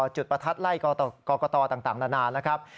จุดประทัดไล่กรกตต่างนานนะครับ